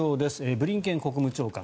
ブリンケン国務長官。